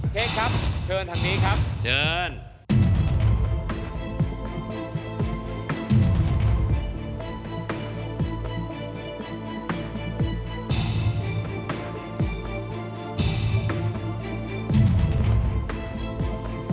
เทคครับเชิญทางนี้ครับ